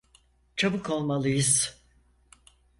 Çabuk olmalıyız.